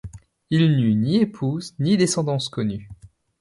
Il n'eut ni épouse, ni descendance connue.